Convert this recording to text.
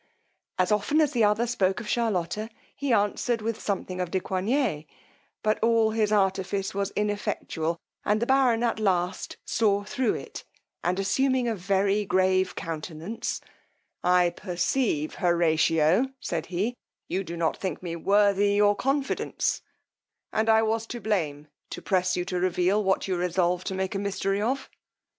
As often as the other spoke of Charlotta, he answered with something of de Coigney; but all his artifice was ineffectual, and the baron at last saw thro' it, and assuming a very grave countenance, I perceive, Horatio, said he, you do not think me worthy your confidence, and I was to blame to press you to reveal what you resolve to make a mystery of.